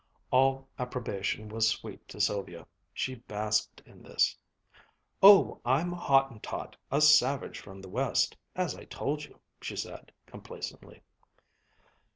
All approbation was sweet to Sylvia. She basked in this. "Oh, I'm a Hottentot, a savage from the West, as I told you," she said complacently.